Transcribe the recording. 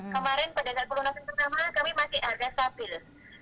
kemarin pada saat pelunasan pertama kami masih harga stabil